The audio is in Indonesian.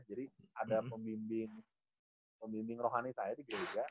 jadi ada pemimbing pemimbing rohani saya di gehiga